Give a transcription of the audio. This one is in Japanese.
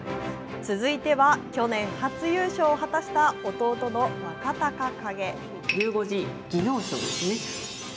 続いては、去年、初優勝を果たした弟の若隆景。